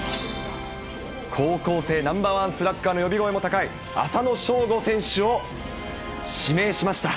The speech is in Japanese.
高校生ナンバーワンスラッガーの呼び声も高い、浅野翔吾選手を指名しました。